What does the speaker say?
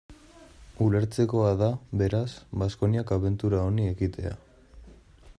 Ulertzekoa da, beraz, Baskoniak abentura honi ekitea.